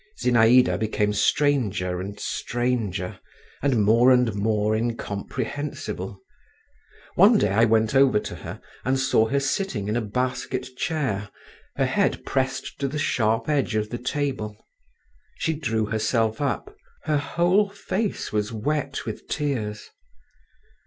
Zinaïda became stranger and stranger, and more and more incomprehensible. One day I went over to her, and saw her sitting in a basket chair, her head pressed to the sharp edge of the table. She drew herself up … her whole face was wet with tears.